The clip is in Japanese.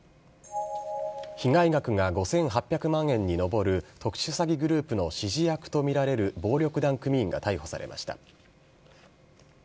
被害額が５８００万円に上る特殊詐欺グループの指示役と見られる暴力団組員が逮捕されました。